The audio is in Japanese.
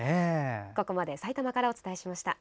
ここまで埼玉からお伝えしました。